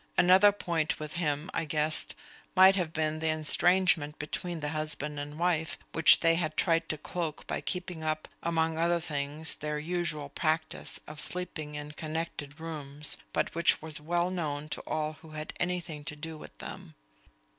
Another point with him, I guessed, might have been the estrangement between the husband and wife, which they had tried to cloak by keeping up, among other things, their usual practice of sleeping in connected rooms, but which was well known to all who had anything to do with them.